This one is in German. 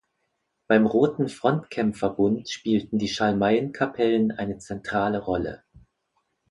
Beim Roten Frontkämpferbund spielten die Schalmeien-Kapellen eine zentrale Rolle.